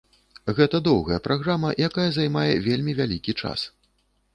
Гэта доўгая праграма, якая займае вельмі вялікі час.